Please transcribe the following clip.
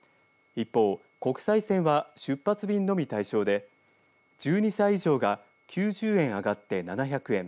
一方、国際線は出発便のみ対象で１２歳以上が９０円上がって７００円。